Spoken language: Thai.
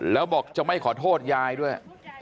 แล้วบอกจะไม่ขอโทษยายด้วย